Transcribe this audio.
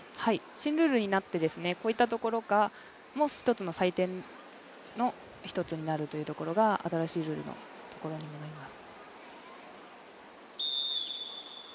新ルールになってこういったところから採点の１つになるというところが新しいルールのところになります。